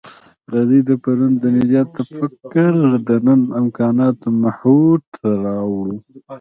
راځئ د پرون د نجات تفکر د نن امکاناتو محور ته راوړوو.